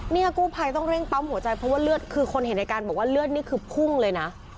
กู้ภัยต้องเร่งปั๊มหัวใจเพราะว่าเลือดคือคนเห็นในการบอกว่าเลือดนี่คือพุ่งเลยนะ